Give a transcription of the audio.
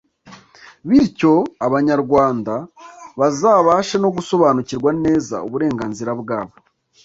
bityo abanyarwanda bazabashe no gusobanukirwa neza uburenganzira bwabo